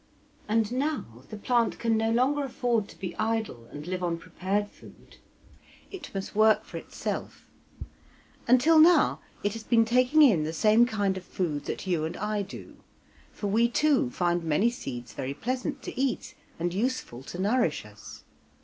And now the plant can no longer afford to be idle and live on prepared food. It must work for itself. Until now it has been taking in the same kind of food that you and I do; for we too find many seeds very pleasant to eat and useful to nourish us.